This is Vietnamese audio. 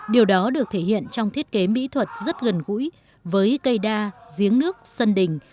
điều đó được thể hiện trong thiết kế mỹ thuật rất gần gũi với cây đa giếng nước sân đình